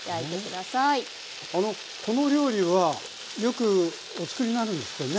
この料理はよくお作りになるんですってね。